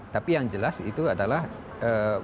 tapi yang jelas itu adalah cat yang keemas emasan gitu